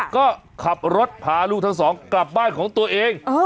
ก็ขับรถพาลูกทั้งสองกลับบ้านของตัวเอง